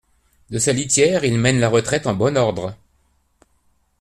De sa litière, il mène la retraite en bon ordre.